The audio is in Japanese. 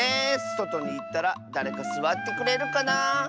そとにいったらだれかすわってくれるかなあ。